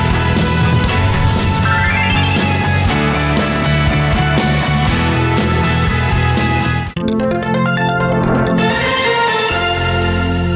โปรดติดตามตอนต่อไป